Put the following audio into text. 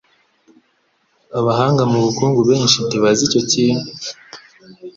Abahanga mu bukungu benshi ntibazi icyo kintu.